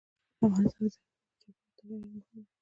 افغانستان کې زردالو د چاپېریال د تغیر یوه مهمه نښه ده.